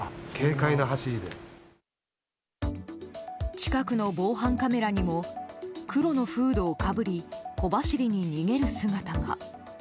近くの防犯カメラにも黒のフードをかぶり小走りに逃げる姿が。